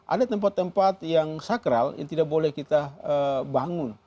ada tempat tempat yang sakral yang tidak boleh kita bangun